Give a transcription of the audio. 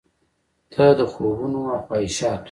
ته د خوبونو او خواهشاتو،